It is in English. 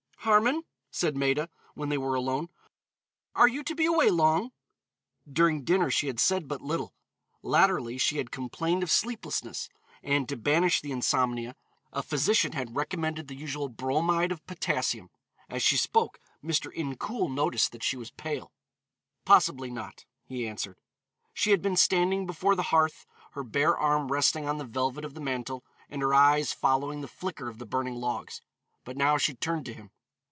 "Harmon," said Maida, when they were alone, "are you to be away long?" During dinner she had said but little. Latterly she had complained of sleeplessness, and to banish the insomnia a physician had recommended the usual bromide of potassium. As she spoke, Mr. Incoul noticed that she was pale. "Possibly not," he answered. She had been standing before the hearth, her bare arm resting on the velvet of the mantel, and her eyes following the flicker of the burning logs but now she turned to him.